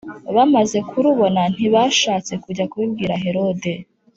Bamaze kurubona ntibashatse kujya kubibwira herode